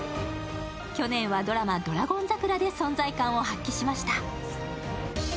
去年はドラマ「ドラゴン桜」で存在感を発揮しました。